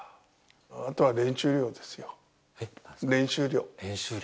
あとは練習量ですよ、練習量。